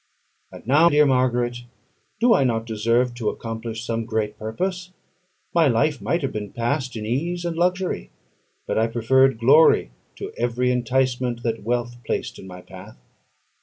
And now, dear Margaret, do I not deserve to accomplish some great purpose? My life might have been passed in ease and luxury; but I preferred glory to every enticement that wealth placed in my path.